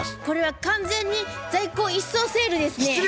これは完全に在庫一掃セールですね。